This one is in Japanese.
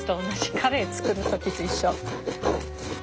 カレー作る時と一緒。